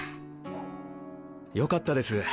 よかったです